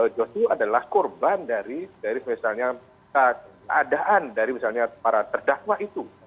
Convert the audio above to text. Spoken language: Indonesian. joshua adalah korban dari misalnya keadaan dari misalnya para terdakwa itu